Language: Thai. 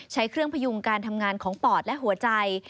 ใช้เครื่องพยุงการทำงานของปอดและหัวใจ